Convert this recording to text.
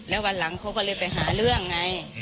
แล้ววันหลังเขาก็เลยไปหาเรื่องไง